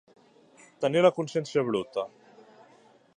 Tenir la consciència bruta.